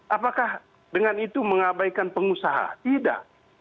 apakah dengan itu mengabaikan pengusaha tidak